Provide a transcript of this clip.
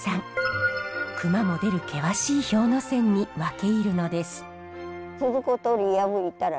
クマも出る険しい氷ノ山に分け入るのです。